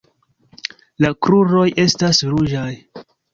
La kruroj estas ruĝaj.